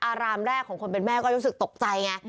อารามแรกของคนเป็นแม่ก็รู้สึกตกใจไง